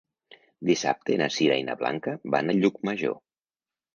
Dissabte na Sira i na Blanca van a Llucmajor.